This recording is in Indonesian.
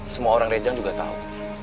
semua orang rejang juga tahu